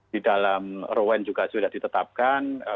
di dalam ruwen juga sudah ditetapkan